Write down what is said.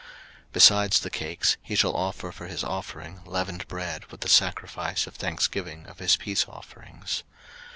03:007:013 Besides the cakes, he shall offer for his offering leavened bread with the sacrifice of thanksgiving of his peace offerings.